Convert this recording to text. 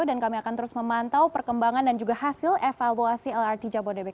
dan kami akan terus memantau perkembangan dan juga hasil evaluasi lrt jabodetabek